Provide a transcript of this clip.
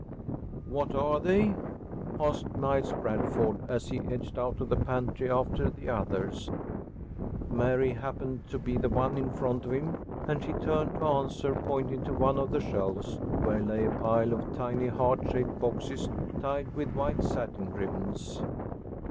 "What are they?" asked Miles Bradford, as he edged out of the pantry after the others. Mary happened to be the one in front of him, and she turned to answer, pointing to one of the shelves, where lay a pile of tiny heart shaped boxes, tied with white satin ribbons.